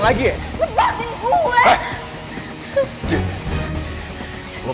gue gak mau